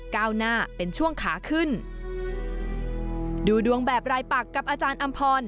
ก้าวหน้าเป็นช่วงขาขึ้นดูดวงแบบรายปักกับอาจารย์อำพร